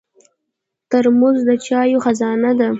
ترموز د چایو خزانه ده.